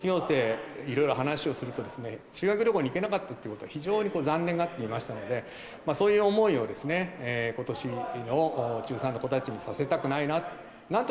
昨年の卒業生、いろいろ話をするとですね、修学旅行に行けなかったということを非常に残念がっていましたので、そういう思いを、ことしの中３の子たちにさせたくないなと。